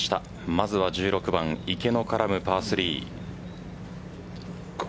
まずは１６番池の絡むパー３。